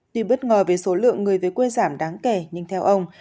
tuy bất ngờ về số lượng người về quê giảm đáng kể nhưng theo ông